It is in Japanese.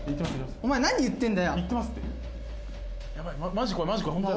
お前、何言ってるんだよ！